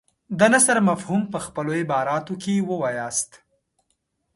د نثر مفهوم په خپلو عباراتو کې ووایاست.